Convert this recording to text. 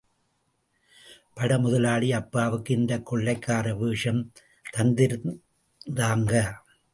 படமுதலாளி, அப்பாவுக்கு இந்தக் கொள்ளைக்கார வேஷம் தந்திருந்தாங்க.